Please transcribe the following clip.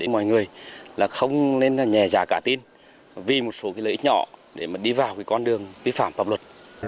mọi người không nên nhè giả cả tin vì một số lợi ích nhỏ để đi vào con đường vi phạm pháp luật